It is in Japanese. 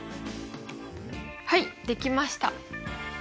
はいできました。